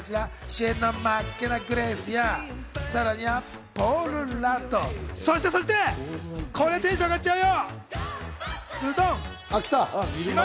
主演のマッケナ・グレイスやさらにはポール・ラッド、そしてそして、テンション上がっちゃうよ。